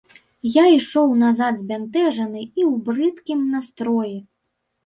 Я ішоў назад збянтэжаны і ў брыдкім настроі.